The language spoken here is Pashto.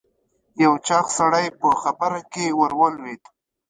یو چاغ سړی په خبره کې ور ولوېد.